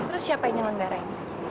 terus siapa ini lenggara ini